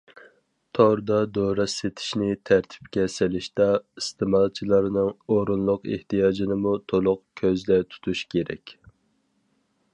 توردا دورا سېتىشنى تەرتىپكە سېلىشتا، ئىستېمالچىلارنىڭ ئورۇنلۇق ئېھتىياجىنىمۇ تولۇق كۆزدە تۇتۇش كېرەك.